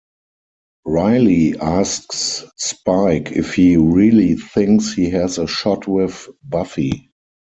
Riley asks Spike if he really thinks he has a shot with Buffy.